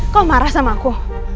kau marah sama aku